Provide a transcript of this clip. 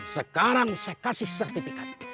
sekarang saya kasih sertifikat